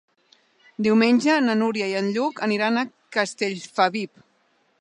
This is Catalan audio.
Diumenge na Núria i en Lluc aniran a Castellfabib.